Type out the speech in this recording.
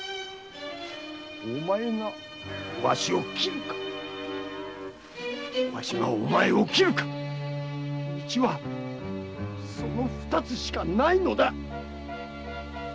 お前がわしを斬るかわしがお前を斬るか道はその二つしかないのだ！